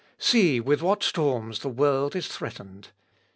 See with what storms the world is threatened.